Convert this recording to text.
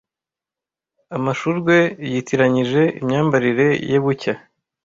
amashurwe yitiranyije imyambarire ye bucya